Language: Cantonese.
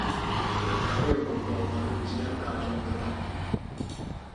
你拍一個廣告拍完之後加咗好多特技